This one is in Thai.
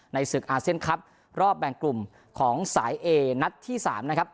ศึกอาเซียนครับรอบแบ่งกลุ่มของสายเอนัดที่๓นะครับ